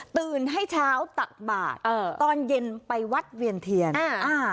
ตื่นให้เช้าตักบาทเออตอนเย็นไปวัดเวียนเทียนอ่าอ่า